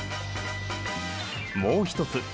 もう一つ。